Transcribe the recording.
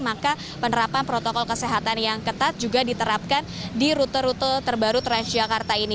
maka penerapan protokol kesehatan yang ketat juga diterapkan di rute rute terbaru transjakarta ini